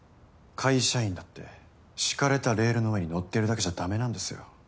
会社員だって敷かれたレールの上に乗ってるだけじゃだめなんですよ。